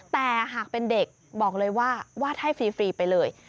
แต่หากเป็นเด็กบอกเลยว่าวาดให้ฟรีไปเลย